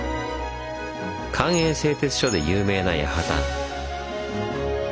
官営製鐵所で有名な八幡。